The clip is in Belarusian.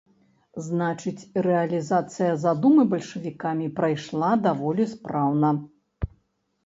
Значыць, рэалізацыя задумы бальшавікамі прайшла даволі спраўна.